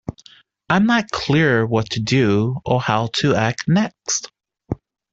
I am not clear what to do or how to act next.